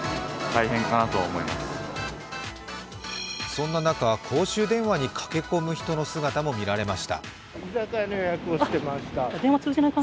そんな中、公衆電話に駆け込む人の姿を見られました。